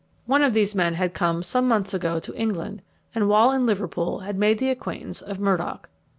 One of these men had come some months ago to England, and while in Liverpool had made the acquaintance of Murdock.